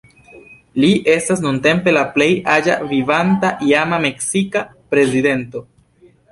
Li estas nuntempe la plej aĝa vivanta iama meksika prezidento.